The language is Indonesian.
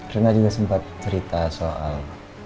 rina juga sempat cerita soal